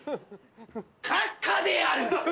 閣下である！